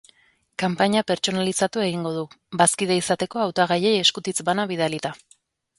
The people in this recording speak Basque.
Kanpainia pertsonalizatu egingo du, bazkide izateko hautagaiei eskutitz bana bidalita.